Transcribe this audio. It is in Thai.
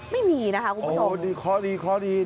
ไม่มีนะคะคุณผู้ชมโอ้โฮข้อดี